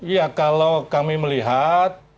iya kalau kami melihat